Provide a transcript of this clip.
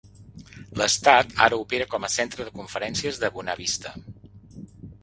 L'estat ara opera com a centre de conferències de Buena Vista.